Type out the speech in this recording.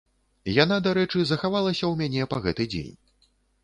Яна, дарэчы, захавалася ў мяне па гэты дзень.